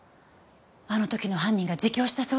あの時の犯人が自供したそうです。